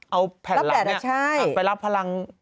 เอาแผ่นหลังนี้ไปรับพลัง